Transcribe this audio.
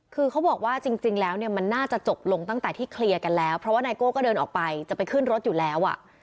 คือเขาบอกว่าจริงแล้วเนี่ยมันน่าจะจบลงตั้งแต่ที่เคลียร์กันแล้วเพราะว่าไนโก้ก็เดินออกไปจะไปขึ้นรถอยู่แล้วอ่ะ